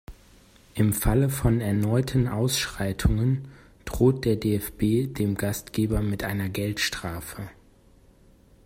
Im Falle von erneuten Ausschreitungen droht der DFB dem Gastgeber mit einer Geldstrafe.